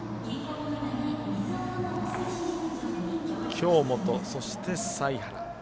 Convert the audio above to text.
京本、そして財原。